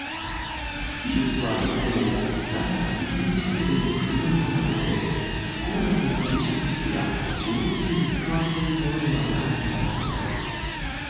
異物はいずれも長さ２センチ程度のくぎのようなもので、校内の給食室や、調理器具に使われているものではないということです。